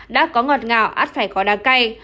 đã có ngọt ngào át phải có đá cay